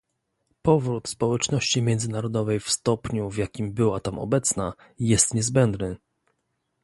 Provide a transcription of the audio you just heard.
Powrót społeczności międzynarodowej w stopniu, w jakim była tam obecna, jest niezbędny